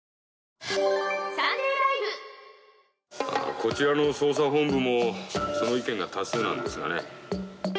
こちらの捜査本部もその意見が多数なんですがね。